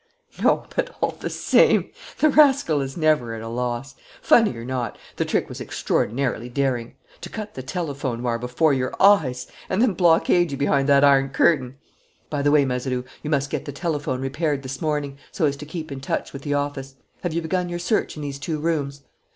"No, but, all the same, the rascal is never at a loss. Funny or not, the trick was extraordinarily daring. To cut the telephone wire before your eyes and then blockade you behind that iron curtain! By the way, Mazeroux, you must get the telephone repaired this morning, so as to keep in touch with the office. Have you begun your search in these two rooms?"